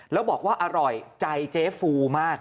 แล้วบอกว่าอร่อยใจเจ๊ฟูมาก